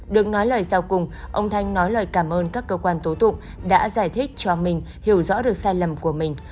đừng nói lời sau cùng ông thanh nói lời cảm ơn các cơ quan tố tụng đã giải thích cho mình hiểu rõ được sai lầm của mình